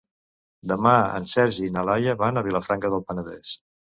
Demà en Sergi i na Laia van a Vilafranca del Penedès.